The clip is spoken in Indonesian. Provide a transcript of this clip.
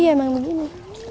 iya memang begini